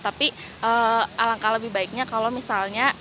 tapi alangkah lebih baiknya kalau misalnya